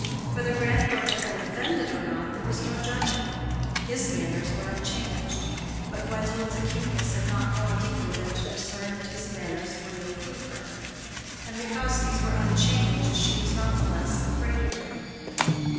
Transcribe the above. Whether Grandcourt had been offended or not there was no judging: his manners were unchanged, but Gwendolen's acuteness had not gone deeper than to discern that his manners were no clue for her, and because these were unchanged she was not the less afraid of him.